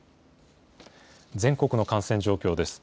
全国の感染状況です。